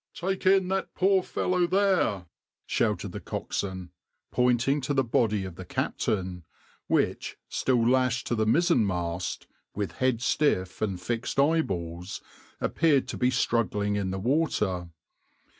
"Take in that poor fellow there," shouted the coxswain, pointing to the body of the captain, which, still lashed to the mizzenmast, with head stiff and fixed eyeballs, appeared to be struggling in the water.